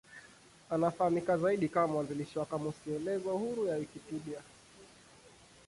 Anafahamika zaidi kama mwanzilishi wa kamusi elezo huru ya Wikipedia.